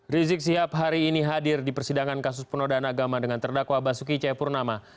rizik sihab hari ini hadir di persidangan kasus penodaan agama dengan terdakwa basuki cepurnama